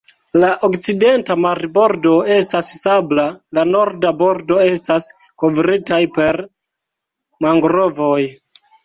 La okcidenta marbordo estas sabla, la norda bordo estas kovritaj per mangrovoj.